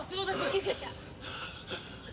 救急車！